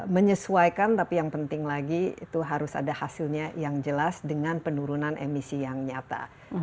menyesuaikan tapi yang penting lagi itu harus ada hasilnya yang jelas dengan penurunan emisi yang nyata